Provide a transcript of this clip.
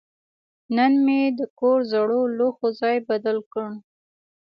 نن مې د کور زړو لوښو ځای بدل کړ.